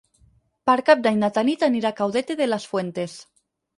Per Cap d'Any na Tanit anirà a Caudete de las Fuentes.